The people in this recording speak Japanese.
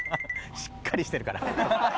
しっかりしてるから。